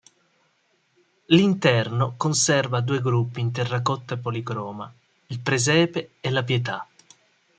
L'interno conserva due gruppi in terracotta policroma, il "Presepe" e la "Pietà".